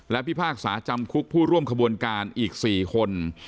และพิพากษาจำคุกผู้ร่วมขบวนการอีก๔คน